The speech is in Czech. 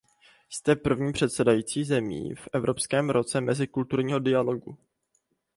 Jste první předsedající zemí v Evropském roce mezikulturního dialogu.